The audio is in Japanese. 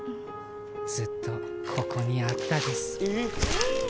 ずっとここにあったです